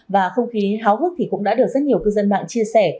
và không khí háo hức thì cũng đã được rất nhiều cư dân mạng chia sẻ